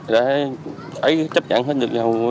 đã thấy chấp nhận hết được rồi